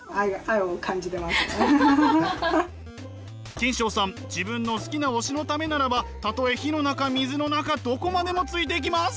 キンショウさん自分の好きな推しのためならばたとえ火の中水の中どこまでもついていきます！